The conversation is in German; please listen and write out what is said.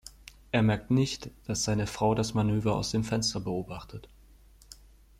Er merkt nicht, dass seine Frau das Manöver aus dem Fenster beobachtet.